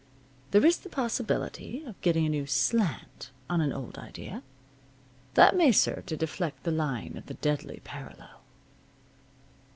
There is the possibility of getting a new slant on an old idea. That may serve to deflect the line of the deadly parallel.